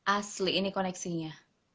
asli ini koneksinya